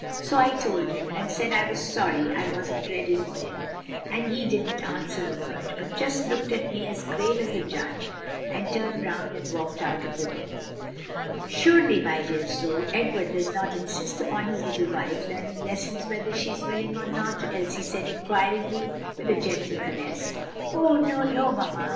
So I told him, and said I was sorry I wasn't ready for him, and he didn't answer a word, but just looked at me as grave as a judge, and turned round and walked out of the room." "Surely, my dear Zoe, Edward does not insist upon his little wife learning lessons whether she is willing or not?" Elsie said inquiringly, and with a gentle caress. "Oh, no, no, mamma!